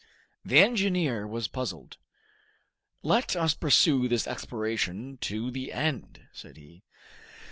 The engineer was puzzled. "Let us pursue this exploration to the end," said he.